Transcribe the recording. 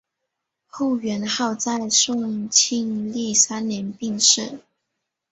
后元昊在宋庆历三年病逝。